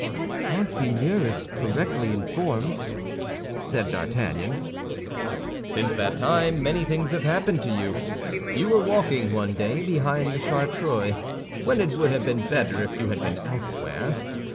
"Monseigneur is correctly informed," said D'Artagnan. "Since that time many things have happened to you. You were walking one day behind the Chartreux, when it would have been better if you had been elsewhere.